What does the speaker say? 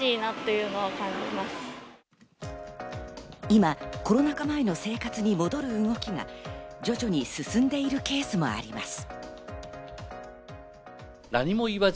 今、コロナ禍前の生活に戻る動きが徐々に進んでいるケースもあります。